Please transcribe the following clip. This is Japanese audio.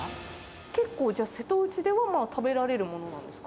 結構、じゃあ、瀬戸内では食べられるものなんですか？